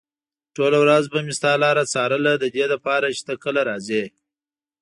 ټوله ورځ به مې ستا لاره څارله ددې لپاره چې ته کله راځې.